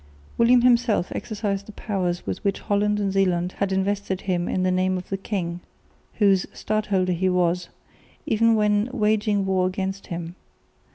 William himself exercised the powers with which Holland and Zeeland had invested him in the name of the king, whose stadholder he was, even when waging war against him.